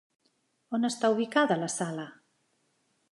On està ubicada la sala?